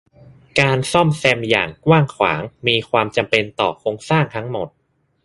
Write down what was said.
การซ่อมแซมอย่างกว้างขวางมีความจำเป็นต่อโครงสร้างทั้งหมด